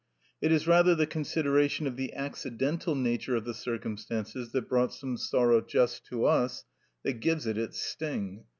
It is rather the consideration of the accidental nature of the circumstances that brought some sorrow just to us, that gives it its sting.